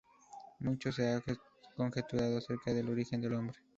Mucho se ha conjeturado acerca del origen del nombre.